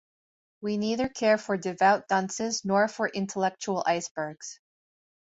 We neither care for devout dunces nor for intellectual icebergs.